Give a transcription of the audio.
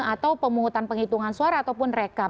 atau pemungutan penghitungan suara ataupun rekap